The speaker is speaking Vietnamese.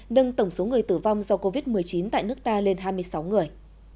nâng tổng số người tử vong do covid một mươi chín tại nước ta lên hai mươi sáu người